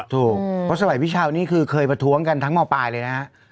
เพราะสมัยพี่เช้านี่คือเคยประท้วงกันทั้งมปลายเลยนะฮะ